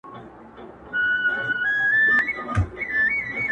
او لوستل کيږي بيا بيا